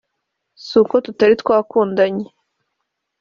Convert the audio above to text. si uko tutari twakundanye